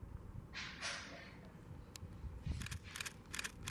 Rok jejího úmrtí je neznámý.